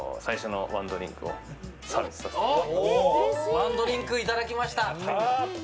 １ドリンクいただきました！